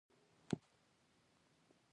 وجدان سمدستي انسان پوهوي چې حق او ناحق څه شی دی.